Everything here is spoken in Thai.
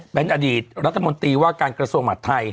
เป็นอดีตรัฐมนตรีว่าการกระทรวงหมัดไทย